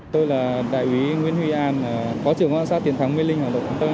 tôi là đại ủy nguyễn huy an phó trưởng công an xã tiền thắng mê linh hà nội